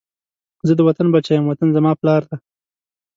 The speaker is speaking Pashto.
زه د وطن بچی یم، وطن زما پلار دی